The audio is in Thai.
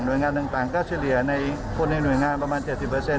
โดยงานต่างก็เฉลี่ยในคนในหน่วยงานประมาณ๗๐